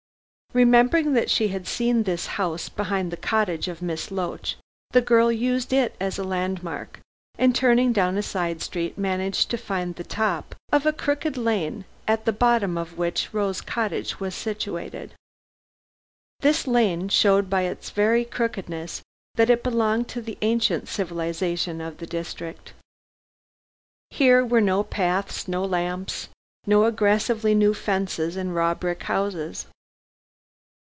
Remembering that she had seen this house behind the cottage of Miss Loach, the girl used it as a landmark, and turning down a side street managed to find the top of a crooked lane at the bottom of which Rose Cottage was situated. This lane showed by its very crookedness that it belonged to the ancient civilization of the district. Here were no paths, no lamps, no aggressively new fences and raw brick houses.